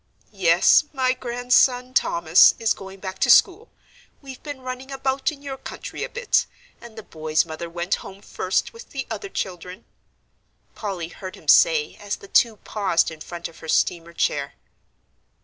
"Yes, my grandson, Thomas, is going back to school. We've been running about in your country a bit, and the boy's mother went home first with the other children " Polly heard him say as the two paused in front of her steamer chair.